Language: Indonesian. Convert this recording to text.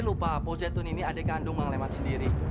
lo lupa poh zetun ini adik kandung bang leman sendiri